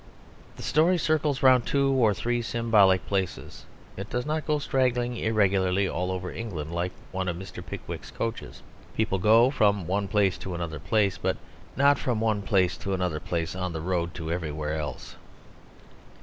The story circles round two or three symbolic places; it does not go straggling irregularly all over England like one of Mr. Pickwick's coaches. People go from one place to another place; but not from one place to another place on the road to everywhere else.